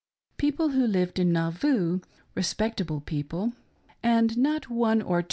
People who lived in Nauvoo, respectable people, and not one or tv/o 252 E.